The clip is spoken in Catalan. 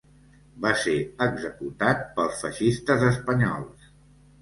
Va ser executat pels feixistes espanyols.